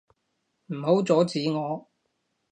唔好阻止我！